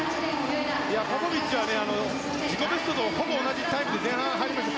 ポポビッチは自己ベストとほぼ同じタイムで前半は入りました。